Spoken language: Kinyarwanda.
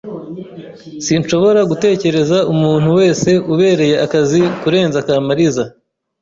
Sinshobora gutekereza umuntu wese ubereye akazi kurenza Kamaliza.